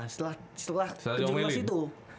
setelah kejuruh juruh situ